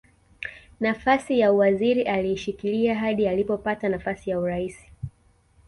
Nafasi ya uwaziri aliishikilia hadi alipopata nafasi ya urais